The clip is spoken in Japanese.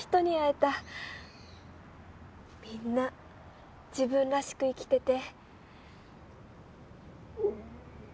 みんな自分らしく生きてて。